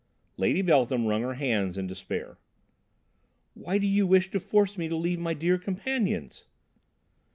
Lady Beltham wrung her hands in despair. "Why do you wish to force me to leave my dear companions?"